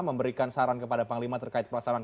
memberikan saran kepada panglima terkait pelaksanaan